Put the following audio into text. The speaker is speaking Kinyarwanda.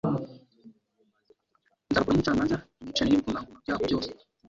Nzabakuramo umucamanza mwicane n’ibikomangoma byaho byose.”